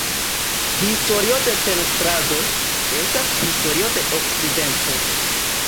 Historio de pentrado, estas historio de okcidento.